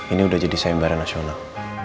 ini udah jadi sayembaran nasional